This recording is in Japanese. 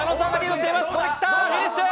フィニッシュ！